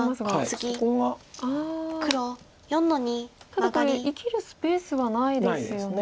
ただこれ生きるスペースはないですよね。